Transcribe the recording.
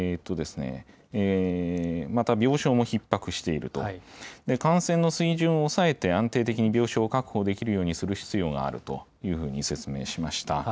また病床もひっ迫していると、感染の水準を抑えて安定的に病床を確保できるようにする必要があるというふうに説明しました。